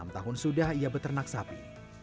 enam tahun sudah ia beternak sapi